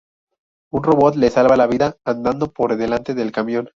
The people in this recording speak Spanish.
Un robot le salva la vida andando por delante del camión.